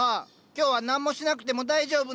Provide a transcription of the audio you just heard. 今日は何もしなくても大丈夫なの。